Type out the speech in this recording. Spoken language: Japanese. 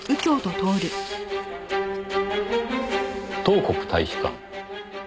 「東国大使館」。